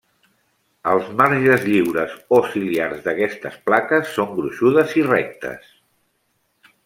Els marges lliures o ciliars d'aquestes plaques són gruixudes i rectes.